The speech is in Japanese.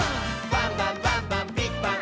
「バンバンバンバンビッグバン！」